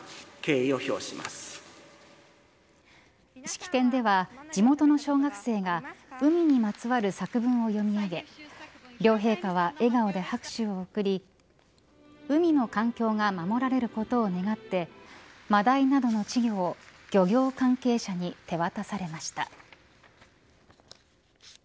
式典では、地元の小学生が海にまつわる作文を読み上げ両陛下は笑顔で拍手を送り海の環境が守られることを願ってマダイなどの稚魚を漁業関係者に手渡されました。